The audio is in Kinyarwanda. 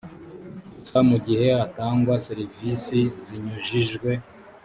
gusa mu gihe hatangwa serivisi zinyujijwe